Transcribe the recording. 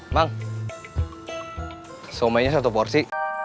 bang somenya satu porsi